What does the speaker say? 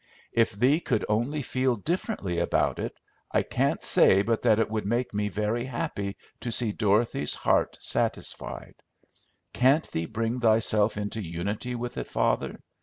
If thee could only feel differently about it, I can't say but that it would make me very happy to see Dorothy's heart satisfied. Can't thee bring thyself into unity with it, father?